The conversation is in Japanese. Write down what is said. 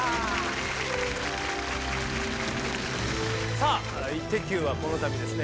さぁ『イッテＱ！』はこのたびですね